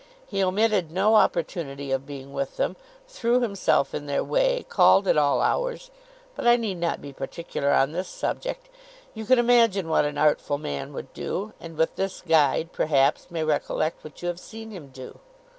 He omitted no opportunity of being with them, threw himself in their way, called at all hours; but I need not be particular on this subject. You can imagine what an artful man would do; and with this guide, perhaps, may recollect what you have seen him do."